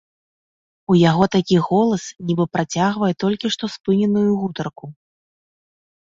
У яго такі голас, нібы працягвае толькі што спыненую гутарку.